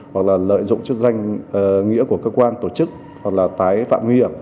hoặc là lợi dụng chức danh nghĩa của cơ quan tổ chức hoặc là tái phạm nguy hiểm